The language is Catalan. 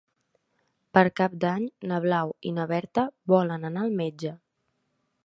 Per Cap d'Any na Blau i na Berta volen anar al metge.